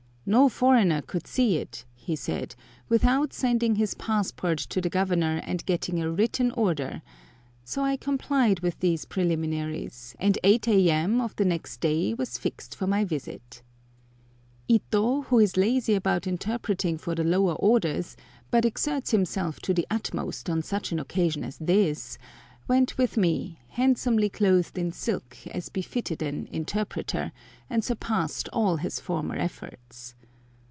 No foreigner could see it, he said, without sending his passport to the Governor and getting a written order, so I complied with these preliminaries, and 8 a.m. of the next day was fixed for my visit Ito, who is lazy about interpreting for the lower orders, but exerts himself to the utmost on such an occasion as this, went with me, handsomely clothed in silk, as befitted an "Interpreter," and surpassed all his former efforts.